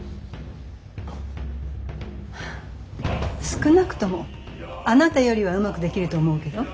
少なくともあなたよりはうまくできると思うけど。